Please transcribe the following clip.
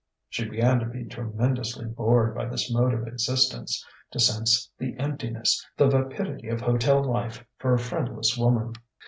She began to be tremendously bored by this mode of existence, to sense the emptiness, the vapidity of hotel life for a friendless woman.